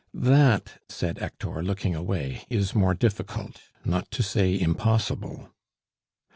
"That," said Hector, looking away, "is more difficult, not to say impossible."